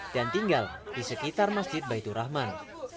dan tinggal di sekitar masjid baitur rahman